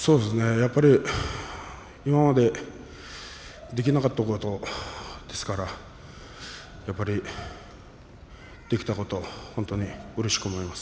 やっぱり今までできなかったことですからやっぱりできたこと本当にうれしく思います。